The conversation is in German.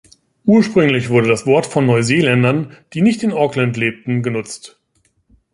Ursprünglich wurde das Wort von Neuseeländern, die nicht in Auckland lebten, genutzt.